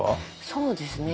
そうですね